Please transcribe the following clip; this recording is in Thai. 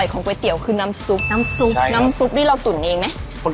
ของก๋วยเตี๋ยวคือน้ำซุปน้ำซุปนี่เราตุ๋นเองไหมใช่ครับ